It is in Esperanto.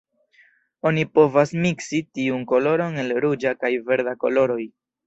Oni povas miksi tiun koloron el ruĝa kaj verda koloroj.